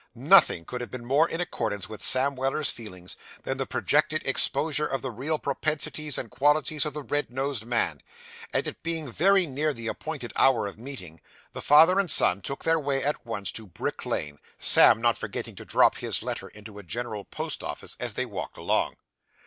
Nothing could have been more in accordance with Sam Weller's feelings than the projected exposure of the real propensities and qualities of the red nosed man; and it being very near the appointed hour of meeting, the father and son took their way at once to Brick Lane, Sam not forgetting to drop his letter into a general post office as they walked along.